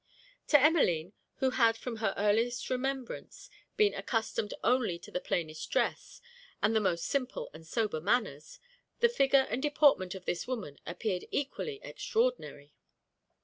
To Emmeline, who had from her earliest remembrance been accustomed only to the plainest dress, and the most simple and sober manners, the figure and deportment of this woman appeared equally extraordinary.